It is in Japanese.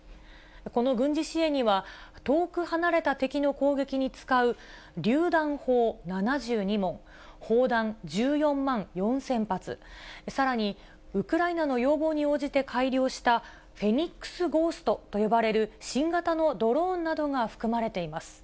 この軍事支援には、遠く離れた敵の攻撃に使うりゅう弾砲７２門、砲弾１４万４０００発、さらにウクライナの要望に応じて改良したフェニックス・ゴーストと呼ばれる、新型のドローンなどが含まれています。